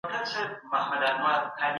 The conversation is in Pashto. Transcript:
ټولنيزې شبکې سياسي مبارزې څنګه اسانه کوي؟